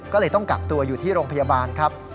ก็เลยต้องกักตัวอยู่ที่โรงพยาบาลครับ